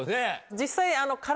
実際。